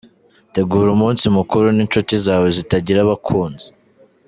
Tegura umunsi mukuru n’inshuti zawe zitagira abakunzi.